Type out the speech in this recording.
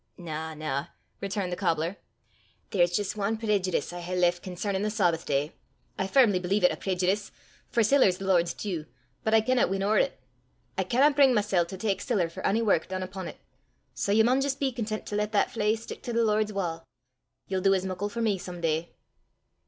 "Na, na," returned the cobbler. "There's jist ae preejudice I hae left concernin' the Sawbath day; I firmly believe it a preejudice, for siller 's the Lord's tu, but I canna win ower 't: I canna bring mysel' to tak siller for ony wark dune upo' 't! Sae ye maun jist be content to lat that flee stick to the Lord's wa'. Ye'll du as muckle for me some day!"